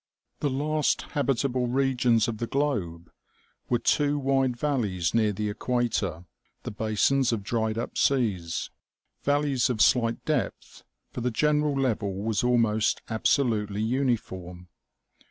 THE last habitable regions of the globe were two wide valleys near the equator, the basins of dried up seas ; val leys of slight depth, for the general level was almost ab solutely uniform.